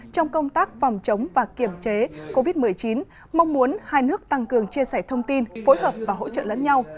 trong công tác phòng chống và kiểm chế covid một mươi chín mong muốn hai nước tăng cường chia sẻ thông tin phối hợp và hỗ trợ lẫn nhau